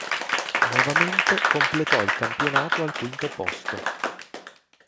Nuovamente completò il campionato al quinto posto.